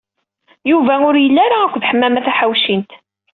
Yuba ur yelli ara akked Ḥemmama Taḥawcint.